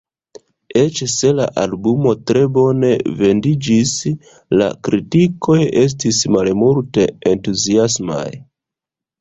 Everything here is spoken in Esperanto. Eĉ se la albumo tre bone vendiĝis, la kritikoj estis malmulte entuziasmaj.